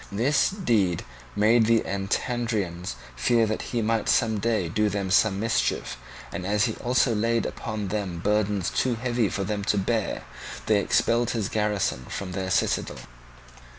This deed made the Antandrians fear that he might some day do them some mischief; and as he also laid upon them burdens too heavy for them to bear, they expelled his garrison from their citadel.